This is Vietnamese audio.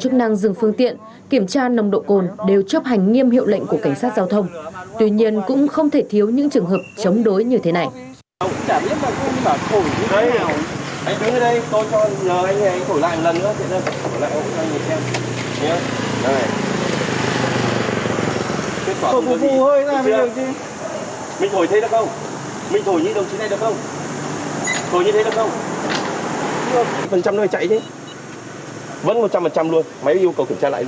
trong quá trình kiểm tra nồng độ cồn của lực lượng chức năng